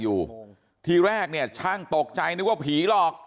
อยู่ทีแรกเนี่ยช่างตกใจนึกว่าผีหลอก